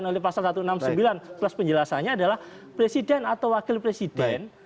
oleh pasal satu ratus enam puluh sembilan plus penjelasannya adalah presiden atau wakil presiden